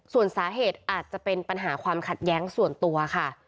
ส่วนสาเหตุอาจจะเป็นปัญหาความขัดแย้งส่วนตัวค่ะ